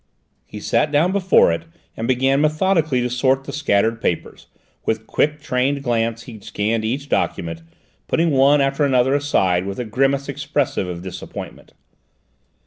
He sat down before it and began methodically to sort the scattered papers; with quick, trained glance he scanned each document, putting one after another aside with a grimace expressive of disappointment.